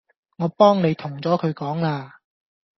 我幫你同咗佢講啦